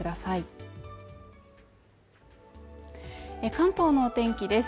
関東のお天気です